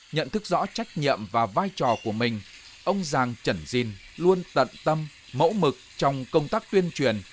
nhận thức rõ trách nhiệm và vai trò của mình ông giàng trẩn dìn luôn tận tâm mẫu mực trong công tác tuyên truyền